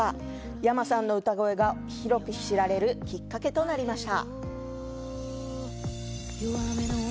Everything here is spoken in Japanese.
ｙａｍａさんの歌声が広く知られるきっかけとなりました。